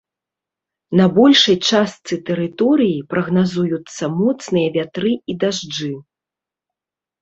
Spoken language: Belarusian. На большай частцы тэрыторыі прагназуюцца моцныя вятры і дажджы.